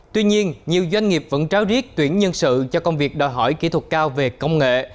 tuy nhiên nhiều doanh nghiệp vẫn tráo riết tuyển nhân sự cho công việc đòi hỏi kỹ thuật cao về công nghệ